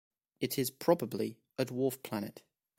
It is probably a dwarf planet.